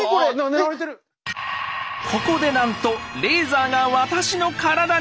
ここでなんとレーザーが私の体に！